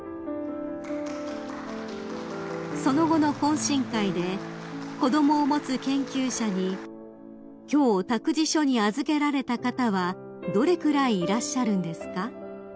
［その後の懇親会で子供を持つ研究者に「今日託児所に預けられた方はどれくらいいらっしゃるんですか？」